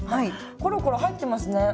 コロコロ入ってますね。